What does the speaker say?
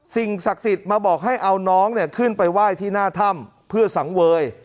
สิ่งศักดิ์สิทธิ์มาบอกให้เอาน้องเนี่ยขึ้นไปไหว้ที่หน้าถ้ำเพื่อสังเวย